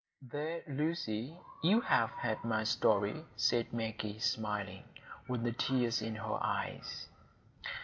"There, Lucy, you have had my story," said Maggie, smiling, with the tears in her eyes.